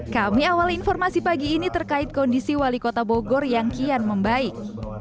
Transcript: kami awali informasi pagi ini terkait kondisi wali kota bogor yang kian membaik